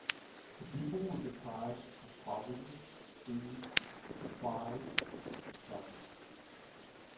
The people were deprived of property, food, supplies and shelter.